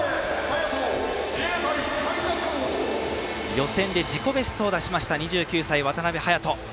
予選で自己ベストを出しました２９歳、渡辺隼斗。